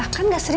kan gak serius